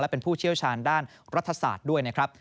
เป็นผู้เชี่ยวชาญด้านรัฐศาสตร์ด้วยนะครับ